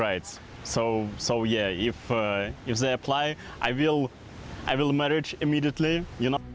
jadi kalau mereka menggunakan peraturan ini saya akan menikah segera